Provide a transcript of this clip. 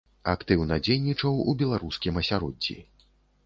Актыўна дзейнічаў у беларускім асяроддзі.